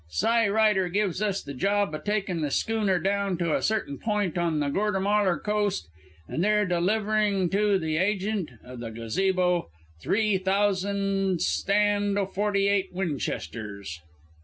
"Cy Ryder gives us the job o' taking the schooner down to a certain point on the Gortamalar coast and there delivering to the agent o' the gazabo three thousand stand o' forty eight Winchesters.